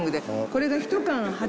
これが。